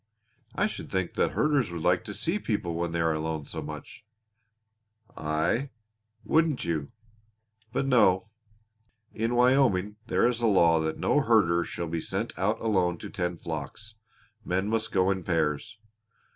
"I should think the herders would like to see people when they are alone so much." "Aye. Wouldn't you! But no. In Wyoming there is a law that no herder shall be sent out alone to tend flocks; men must go in pairs.